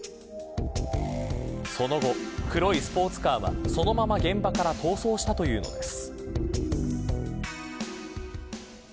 その後、黒いスポーツカーはそのまま現場から逃走したというのです。